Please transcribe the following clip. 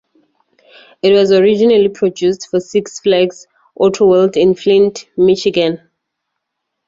It was originally produced for Six Flags Autoworld in Flint, Michigan.